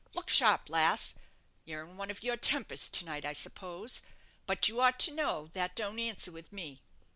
Look sharp, lass. You're in one of your tempers to night, I suppose; but you ought to know that don't answer with me.